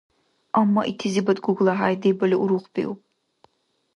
Амма итизибад ГуглахӀяй дебали урухбиуб.